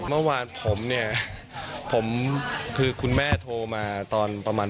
เมื่อวานผมเนี่ยผมคือคุณแม่โทรมาตอนประมาณ